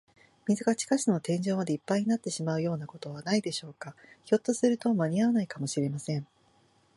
水が地下室の天井までいっぱいになってしまうようなことはないでしょうか。ひょっとすると、まにあわないかもしれません。